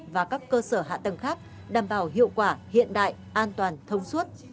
và các cơ sở hạ tầng khác đảm bảo hiệu quả hiện đại an toàn thông suốt